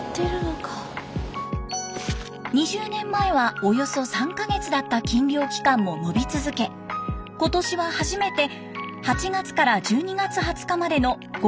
２０年前はおよそ３か月だった禁漁期間も延び続け今年は初めて８月から１２月２０日までの５か月間近くになりました。